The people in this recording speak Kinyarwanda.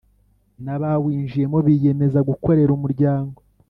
N’abawinjiyemo biyemeza gukorera umuryango.